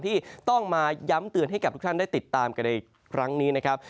ที่ต้องมาย้ำเตือนให้กับทุกท่านได้ติดตามกันในครั้งนี้นะครับ